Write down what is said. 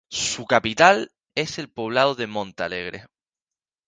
Su capital es el poblado de Monte Alegre.